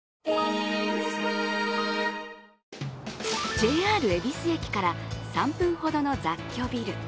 ＪＲ恵比寿駅から３分ほどの雑居ビル。